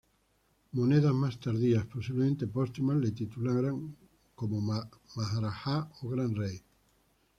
Monedas más tardías, posiblemente póstumas, le titulan como maharajá o "Gran Rey".